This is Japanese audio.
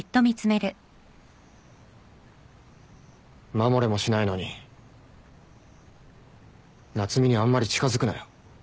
守れもしないのに夏海にあんまり近づくなよ。